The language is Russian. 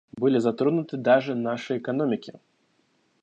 Были затронуты даже наши экономики.